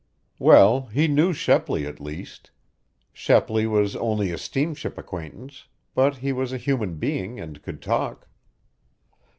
Well, he knew Shepley, at least. Shepley was only a steamship acquaintance, but he was a human being and could talk.